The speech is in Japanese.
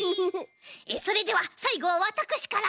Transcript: それではさいごはわたくしから。